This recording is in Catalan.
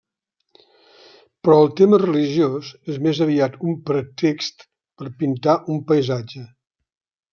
Però el tema religiós és més aviat un pretext per pintar un paisatge.